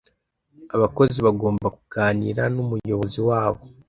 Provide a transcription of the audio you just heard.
Abakozi bagomba kuganira n umuyobozi wabo